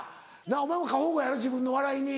お前も過保護やろ自分の笑いに。